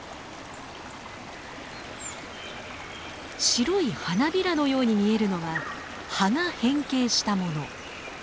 白い花びらのように見えるのは葉が変形したもの。